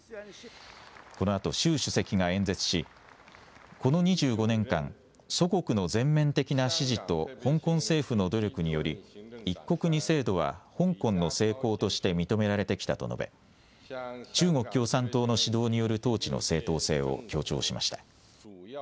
このあと習主席が演説し、この２５年間、祖国の全面的な支持と香港政府の努力により、一国二制度は香港の成功として認められてきたと述べ、中国共産党の指導による統治の正当性を強調しました。